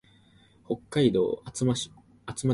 北海道厚真町